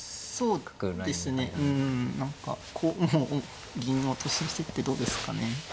そうですね何かこうもう銀を突進してってどうですかね。